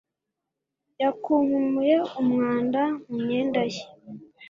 Yakunkumuye umwanda mu myenda ye,